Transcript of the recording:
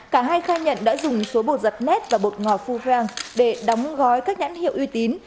cả hai khai nhận đã dùng số bột giặt net và bột ngọt fufeng để đóng gói các nhãn hiệu uy tín